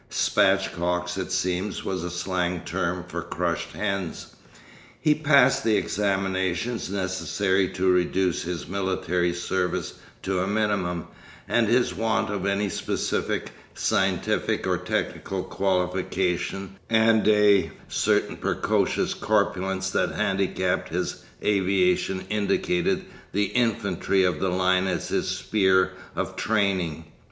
'Spatchcocks,' it seems, was a slang term for crushed hens. He passed the examinations necessary to reduce his military service to a minimum, and his want of any special scientific or technical qualification and a certain precocious corpulence that handicapped his aviation indicated the infantry of the line as his sphere of training.